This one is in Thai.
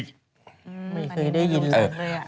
ไม่เคยได้ยินเลย